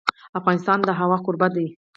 افغانستان د هوا کوربه دی.